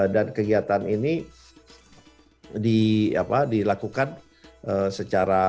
dan kegiatan ini dilakukan secara